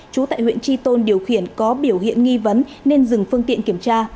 chú tại huyện tri tôn điều khiển có biểu hiện nghi vấn nên dừng phương tiện kiểm tra